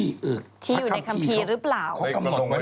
อีกที่อยู่ในคัมภีร์หรือเปล่าเขากำหนดไว้